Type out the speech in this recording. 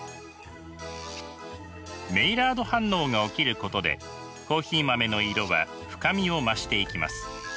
メイラード反応が起きることでコーヒー豆の色は深みを増していきます。